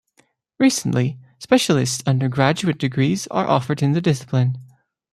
Recently, specialist undergraduate degrees are offered in the discipline.